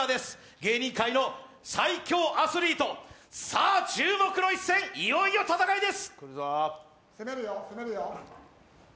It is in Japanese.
芸人界の最強アスリートさあ、注目の一戦、いよいよ戦いです！